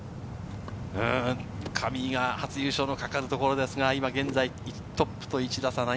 上井の初優勝がかかるところですが、現在、トップと１打差の−９。